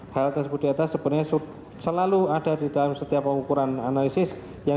hal tersebut di atas sebenarnya selalu ada di dalam setiap pengukuran analisis yang